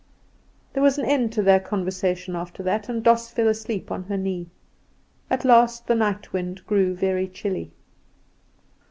There was an end to their conversation after that, and Doss fell asleep on her knee. At last the night wind grew very chilly.